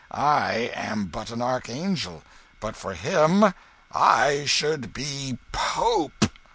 I am but an archangel; but for him I should be pope!"